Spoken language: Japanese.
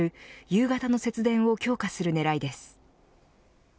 夕方の節電を強化する狙いです。